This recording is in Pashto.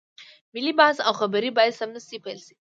ملي بحث او خبرې بايد سمدستي پيل شي.